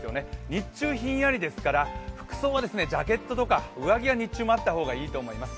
日中ひんやりですから、服装はジャケットや上着があった方がいいと思います。